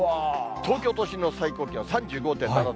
東京都心の最高気温、３５．７度。